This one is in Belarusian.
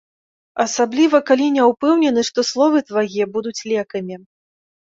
Асабліва, калі не ўпэўнены, што словы твае будуць лекамі.